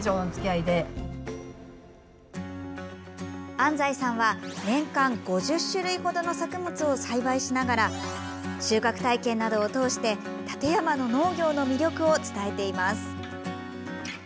安西さんは年間５０種類程の作物を栽培しながら収穫体験などを通して館山の農業の魅力を伝えています。